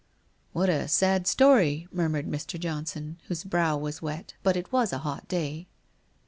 * What a sad story !' murmured Mr. Johnson, whose brow was wet — but it was a hot day.